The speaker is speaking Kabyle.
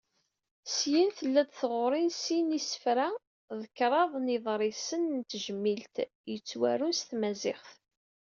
Syin tella-d tɣuri n sin n yisefra d kraḍ n yiḍrisen n tejmilt, yettwarun s tmaziɣt.